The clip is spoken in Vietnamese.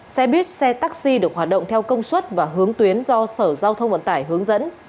xe buýt xe taxi được hoạt động theo công suất và hướng tuyến do sở giao thông vận tải hướng dẫn